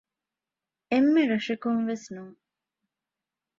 އެންމެ ރަށަކުން ވެސް ނޫން